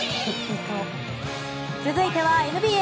続いてはＮＢＡ。